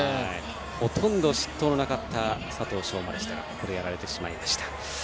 ほとんど失投のなかった佐藤奨真ですがここでやられてしまいました。